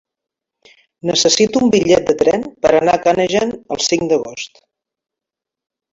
Necessito un bitllet de tren per anar a Canejan el cinc d'agost.